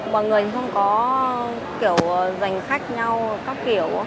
mọi người không có kiểu dành khách nhau các kiểu